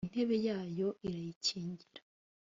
intebe yayo irayikingira .